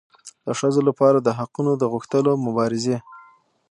د ښځو لپاره د حقونو د غوښتلو مبارزې